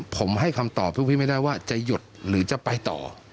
ผมให้คำตอบพวกพี่ไม่ได้ว่าจะหยุดหรือจะไปต่อ